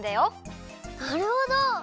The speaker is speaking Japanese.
なるほど。